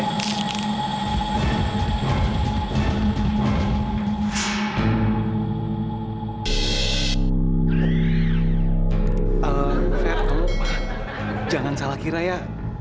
ehm ver kamu jangan salah kira ya